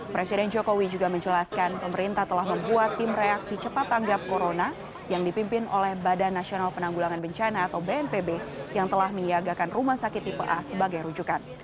presiden jokowi juga menjelaskan pemerintah telah membuat tim reaksi cepat tanggap corona yang dipimpin oleh badan nasional penanggulangan bencana atau bnpb yang telah menyiagakan rumah sakit tipe a sebagai rujukan